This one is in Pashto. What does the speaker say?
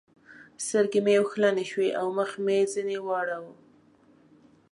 سترګې مې اوښلنې شوې او مخ مې ځنې واړاوو.